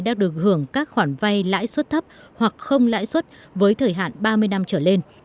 đã được hưởng các khoản vay lãi suất thấp hoặc không lãi suất với thời hạn ba mươi năm trở lên